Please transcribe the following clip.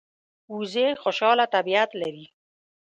وزې خوشاله طبیعت لري